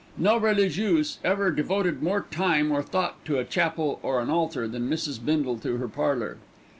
No religieuse ever devoted more time or thought to a chapel or an altar than Mrs. Bindle to her parlour.